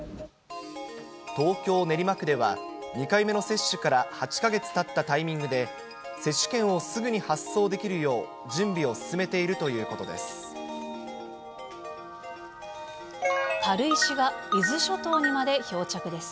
東京・練馬区では、２回目の接種から８か月たったタイミングで、接種券をすぐに発送できるよう準備を進めているということです。